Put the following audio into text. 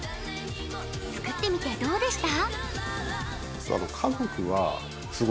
作ってみて、どうでした？